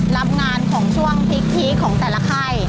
รับงานของช่วงพีคพีคของแต่ละค่าย